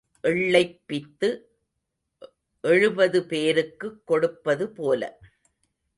எள்ளைப் பிய்த்து எழுபது பேருக்குக் கொடுப்பது போல.